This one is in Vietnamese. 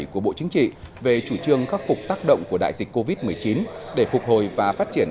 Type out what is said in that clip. của bộ chính trị về chủ trương khắc phục tác động của đại dịch covid một mươi chín để phục hồi và phát triển